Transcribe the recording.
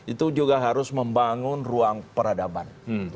itu juga harus membangun ruang peradaban